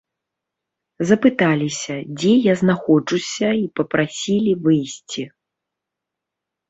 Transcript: Запыталіся, дзе я знаходжуся, і папрасілі выйсці.